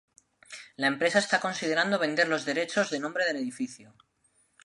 La empresa está considerando vender los derechos de nombre del edificio.